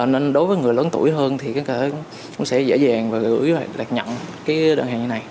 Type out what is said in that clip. nên đối với người lớn tuổi hơn thì cũng sẽ dễ dàng và ưu ý là nhận cái đơn hàng như này